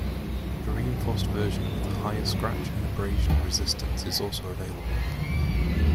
A reinforced version with higher scratch and abrasion resistance is also available.